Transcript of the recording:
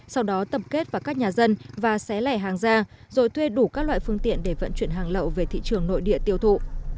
sau đó tập kết vào các nhà dân và xé lẻ hàng ra rồi thuê đủ các loại phương tiện để vận chuyển hàng lậu về thị trường nội địa tiêu thụ